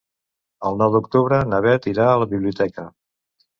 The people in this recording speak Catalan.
El nou d'octubre na Beth irà a la biblioteca.